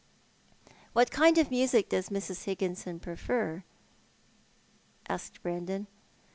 " What kind of music does Miss Higginson prefer ?" asked Brandon.